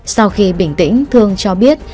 sau khi bình tĩnh thương cho biết